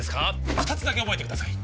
二つだけ覚えてください